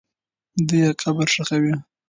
دوی یې قبر ښخوي.